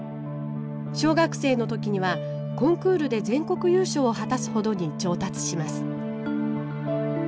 小学生の時にはコンクールで全国優勝を果たすほどに上達します。